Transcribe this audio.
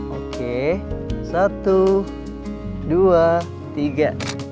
oke satu dua tiga